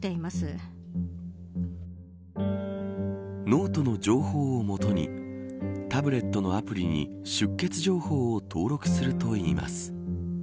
ノートの情報を元にタブレットのアプリに出欠情報を登録するといいます。